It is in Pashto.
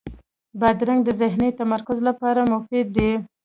بادرنګ د ذهني تمرکز لپاره مفید دی.